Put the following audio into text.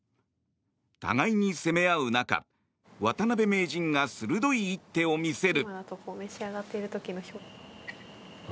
互いに攻め合う中渡辺名人が鋭い一手を見せる。